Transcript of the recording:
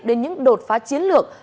đến những đột phá chiến lược